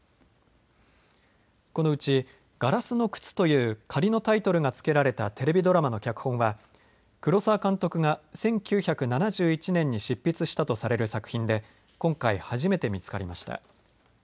このうちガラスの靴という仮のタイトルが付けられたテレビドラマの脚本は、黒澤監督が１９７１年に執筆したとされる作品で今回、初めて見つかりました。